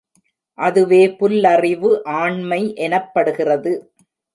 அதுவே புல்லறிவு ஆண்மை எனப்படுகிறது.